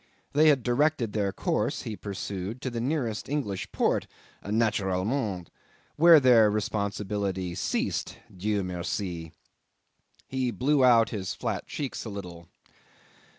They had directed their course, he pursued, to the nearest English port "naturellement," where their responsibility ceased, "Dieu merci." ... He blew out his flat cheeks a little.